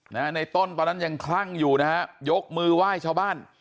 ในต้นตอนนั้นยังคลั่งอยู่นะฮะยกมือไหว้ชาวบ้าน